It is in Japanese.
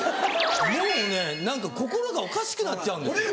もうね何か心がおかしくなっちゃうんですよ。